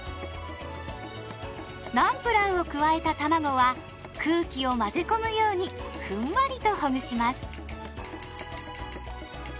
ナンプラーを加えたたまごは空気を混ぜ込むようにふんわりとほぐします。